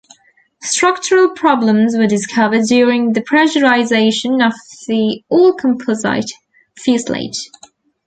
Structural problems were discovered during the pressurization of the all-composite fuselage.